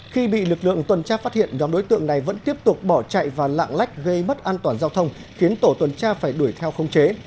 khi bị lực lượng tuần tra phát hiện nhóm đối tượng này vẫn tiếp tục bỏ chạy và lạng lách gây mất an toàn giao thông khiến tổ tuần tra phải đuổi theo không chế